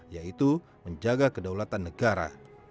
yaitu menjaga kedaulatan negara